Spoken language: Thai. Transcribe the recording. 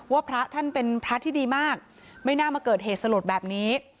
พระท่านเป็นพระที่ดีมากไม่น่ามาเกิดเหตุสลดแบบนี้